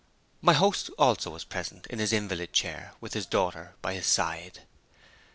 My host also was present in his invalid chair, with his daughter by his side.